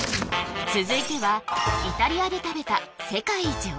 続いてはイタリアで食べたローマ？